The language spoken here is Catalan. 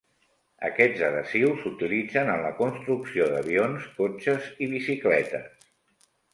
Aquests adhesius s'utilitzen en la construcció d'avions, cotxes i bicicletes.